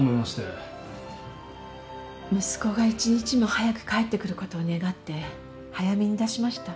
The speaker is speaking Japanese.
息子が一日も早く帰ってくることを願って早めに出しました。